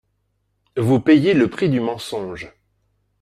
Vous payez le prix du mensonge